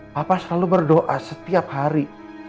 bapak selalu berdoa setiap hari